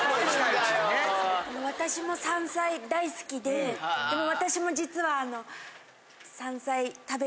私も山菜大好きででも。